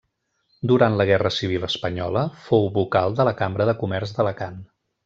Durant la guerra civil espanyola fou vocal de la Cambra de Comerç d'Alacant.